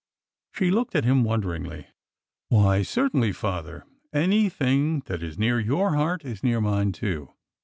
She looked at him wonderingly. " Why, certainly, father. Anything that is near your heart is near mine, too."